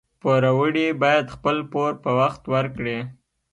پوروړي باید خپل پور په وخت ورکړي